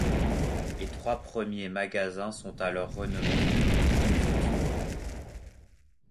Les trois premiers magasins sont alors renommés Vidéo Futur.